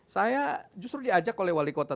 saya justru diajak oleh wali kota